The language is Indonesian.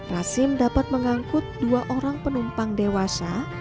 rasim dapat mengangkut dua orang penumpang dewasa